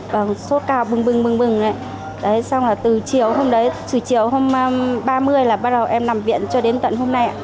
bằng sốt cao bừng bừng từ chiều hôm ba mươi là bắt đầu em nằm viện cho đến tận hôm nay